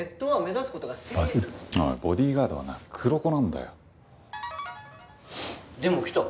おいボディーガードはな黒子なんだよ。でも来た。